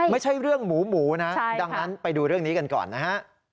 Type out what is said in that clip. ไม่ใช่เรื่องหมูหมูนะดังนั้นไปดูเรื่องนี้กันก่อนนะฮะ